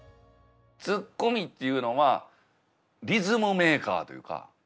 ツッコミっていうのはリズムメーカーというか。